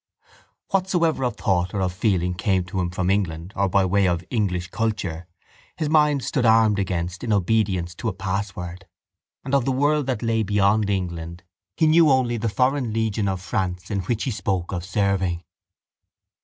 Whatsoever of thought or of feeling came to him from England or by way of English culture his mind stood armed against in obedience to a password; and of the world that lay beyond England he knew only the foreign legion of France in which he spoke of serving.